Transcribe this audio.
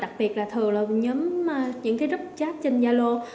đặc biệt là thường là nhóm những thứ rất chát trên zalo